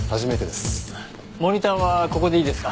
モニターはここでいいですか？